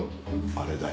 あれだよ。